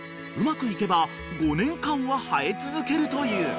［うまくいけば５年間は生え続けるという］